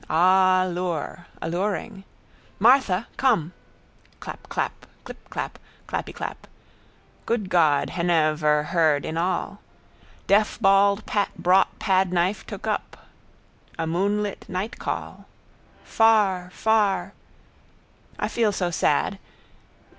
Ah, lure! Alluring. Martha! Come! Clapclap. Clipclap. Clappyclap. Goodgod henev erheard inall. Deaf bald Pat brought pad knife took up. A moonlit nightcall: far, far. I feel so sad.